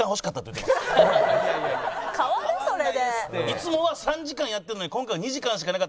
いつもは３時間やってるのに今回は２時間しかなかった。